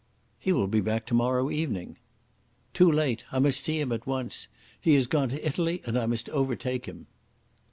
"He will be back tomorrow evening." "Too late. I must see him at once. He has gone to Italy, and I must overtake him."